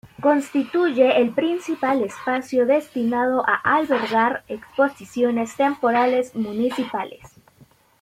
Constituye el principal espacio destinado a albergar exposiciones temporales municipales.